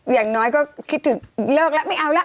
อย่างน้อยก็คิดถึงเลิกแล้วไม่เอาแล้ว